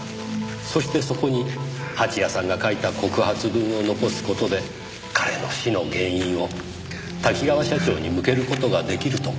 そしてそこに蜂矢さんが書いた告発文を残す事で彼の死の原因を多岐川社長に向ける事が出来ると考えた。